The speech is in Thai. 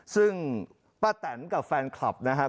ซึ่งป้าแตนกับแฟนคลับนะครับ